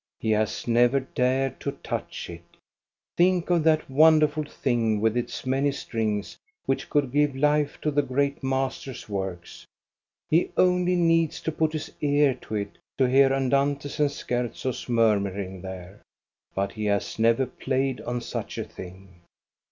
He has never dared to touch it. Think of that wonderful thing with its many strings, which could give life to the great master's works ! He only needs to put his ear to it, to hear andantes and scherzos murmuring there. But he has never played on such a thing.